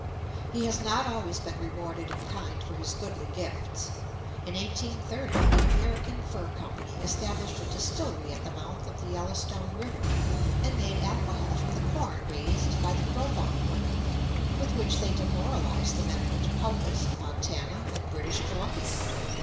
He has not always been rewarded in kind for his goodly gifts. In 1830 the American Fur Company established a distillery at the mouth of the Yellowstone River, and made alcohol from the corn raised by the Gros Ventre women, with which they demoralized the men of the Dakotas, Montana, and British Columbia.